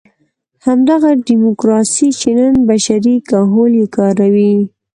همدغه ډیموکراسي چې نن بشري کهول یې کاروي.